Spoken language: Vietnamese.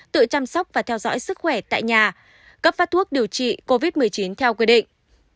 tự chăm sóc và theo dõi sức khỏe tại nhà cấp phát thuốc điều trị covid một mươi chín theo quy định